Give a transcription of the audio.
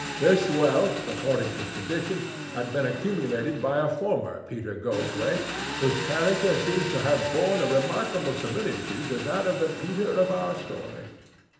This wealth, according to tradition, had been accumulated by a former Peter Goldthwaite whose character seems to have borne a remarkable similitude to that of the Peter of our story.